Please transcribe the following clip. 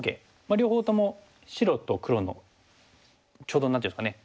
両方とも白と黒のちょうど何ていうんですかね。